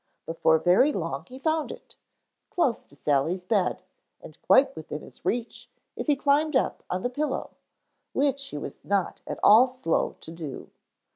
Before very long he found it, close to Sally's bed and quite within his reach if he climbed up on the pillow, which he was not at all slow to do.